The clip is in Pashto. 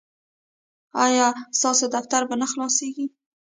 ایا ستاسو دفتر به نه خلاصیږي؟